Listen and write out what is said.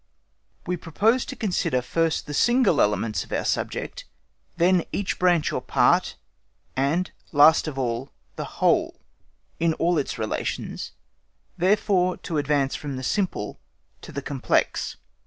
We propose to consider first the single elements of our subject, then each branch or part, and, last of all, the whole, in all its relations—therefore to advance from the simple to the complex.